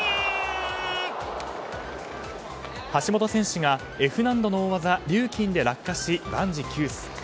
橋本選手がＦ難度の大技リューキンで落下し、万事休す。